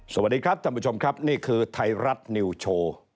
สวัสดีครับท่านผู้ชมครับนี่คือไทยรัฐนิวโชว์